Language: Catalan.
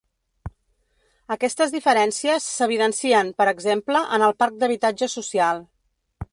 Aquestes diferències s’evidencien, per exemple, en el parc d’habitatge social.